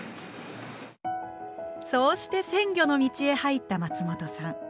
そうして鮮魚の道へ入った松本さん。